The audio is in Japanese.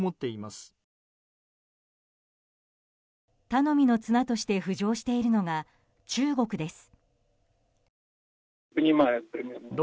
頼みの綱として浮上しているのが中国です。